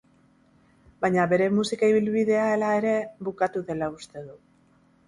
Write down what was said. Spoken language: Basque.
Baina bere musika ibilbidea, hala ere, bukatu dela uste du.